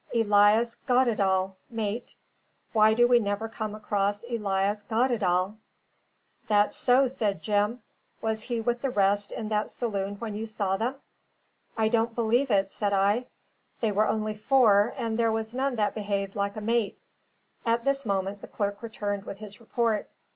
'Elias Goddedaal, mate.' Why do we never come across Elias Goddedaal?" "That's so," said Jim. "Was he with the rest in that saloon when you saw them?" "I don't believe it," said I. "They were only four, and there was none that behaved like a mate." At this moment the clerk returned with his report.